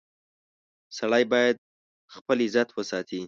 • سړی باید خپل عزت وساتي.